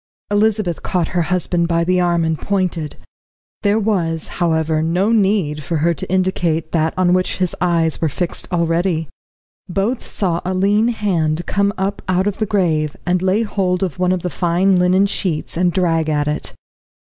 Elizabeth caught her husband by the arm and pointed. There was, however, no need for her to indicate that on which his eyes were fixed already. Both saw a lean hand come up out of the grave, and lay hold of one of the fine linen sheets and drag at it.